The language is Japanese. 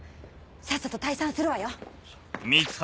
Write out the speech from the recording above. さっさと退散するわよ。